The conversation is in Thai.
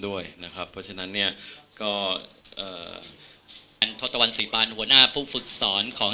ด้วยนะครับเพราะฉะนั้นเนี่ยก็เอ่ออันทศตวรรษีปานหัวหน้าผู้ฝึกสอนของ